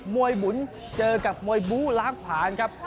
หมุนเจอกับมวยบู้ล้างผ่านครับ